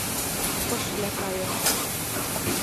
Пышвлӓ кайыт.